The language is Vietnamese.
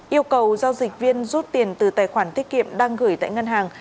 yêu cầu giao dịch viên rút tiền từ tài khoản tiết kiệm đang gửi tại ngân hàng